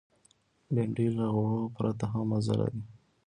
بېنډۍ له غوړو پرته هم مزه لري